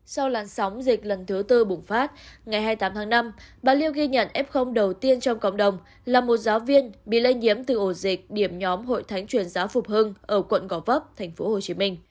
sau làn sóng dịch lần thứ tư bùng phát ngày hai mươi tám tháng năm bà liu ghi nhận f đầu tiên trong cộng đồng là một giáo viên bị lây nhiễm từ ổ dịch điểm nhóm hội thánh truyền giáo phục hưng ở quận gò vấp tp hcm